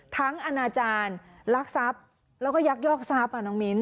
อาณาจารย์ลักทรัพย์แล้วก็ยักยอกทรัพย์น้องมิ้น